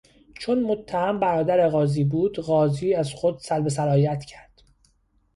چون متهم برادر قاضی بود قاضی از خود سلب صلاحیت کرد.